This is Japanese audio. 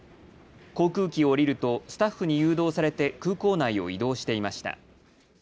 航空機を降りるとスタッフに誘導されて空港内を移動していました。